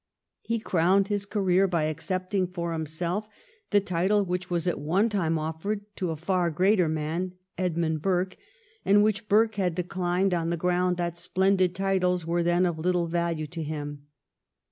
He crowned his career by accepting for himself the title which was at one time offered to a far greater man, Edmund Burke, and which Burke had declined on the ground that splendid titles were then of little value to him.